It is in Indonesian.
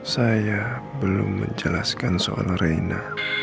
saya belum menjelaskan soal reina